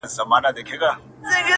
مور بې حاله کيږي ناڅاپه,